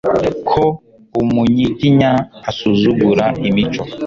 Ko umunyiginya asuzugura imico